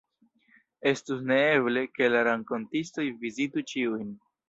Estus neeble, ke la rakontistoj vizitu ĉiujn.